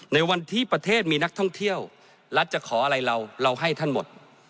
ในวันที่ประเทศมีนักท่องเที่ยวรัฐจะขออะไรเราเราให้ท่านหมด